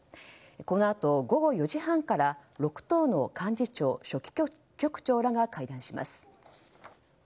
このあと午後４時半から６党の幹事長・書記局長らが会談します。